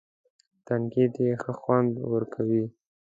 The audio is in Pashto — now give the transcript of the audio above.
تنقید یې ښه خوند ورکوي.